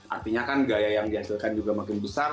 artinya kan gaya yang dihasilkan juga makin besar